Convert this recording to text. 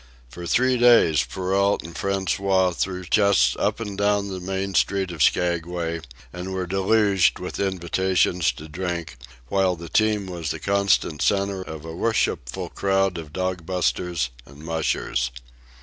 For three days Perrault and François threw chests up and down the main street of Skaguay and were deluged with invitations to drink, while the team was the constant centre of a worshipful crowd of dog busters and mushers.